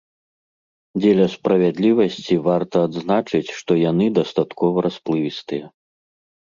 Дзеля справядлівасці, варта адзначыць, што яны дастаткова расплывістыя.